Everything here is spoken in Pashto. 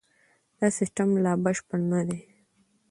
دا سیستم لا بشپړ نه دی.